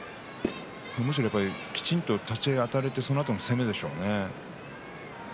むしろ、きちんと立ち合いあたれてそのあとの攻めでしょう。